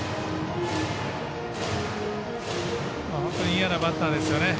嫌なバッターですよね。